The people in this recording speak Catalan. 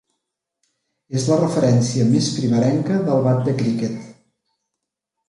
És la referència més primerenca del bat de criquet.